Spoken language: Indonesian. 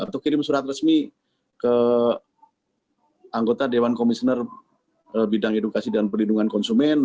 atau kirim surat resmi ke anggota dewan komisioner bidang edukasi dan perlindungan konsumen